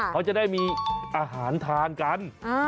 เขาจะได้มีอาหารทานกัน